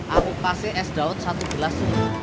aku kasih es dawat satu gelas